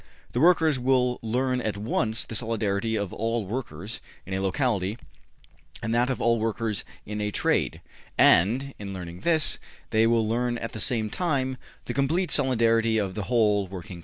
The workers will learn at once the solidarity of all workers in a locality and that of all workers in a trade, and, in learning this, they will learn at the same time the complete solidarity of the whole working class.''